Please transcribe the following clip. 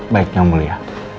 baiknya om mulia